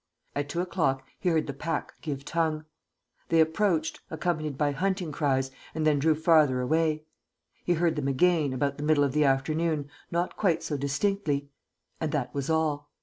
At two o'clock he heard the pack give tongue. They approached, accompanied by hunting cries, and then drew farther away. He heard them again, about the middle of the afternoon, not quite so distinctly; and that was all.